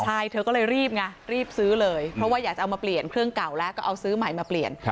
ใช่เธอก็เลยรีบไงรีบซื้อเลยเพราะว่าอยากจะเอามาเปลี่ยนเครื่องเก่าแล้วก็เอาซื้อใหม่มาเปลี่ยน